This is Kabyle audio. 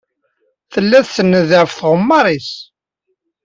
Tella tsenned ɣef tɣemmar-nnes.